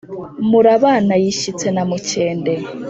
murabana yishyitse na mukende.